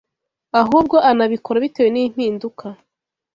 ahubwo anabikora bitewe n’impinduka